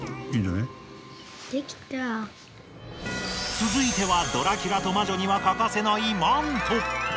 続いてはドラキュラと魔女には欠かせないマント！